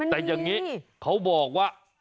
แต่อย่างนี้เขาบอกว่า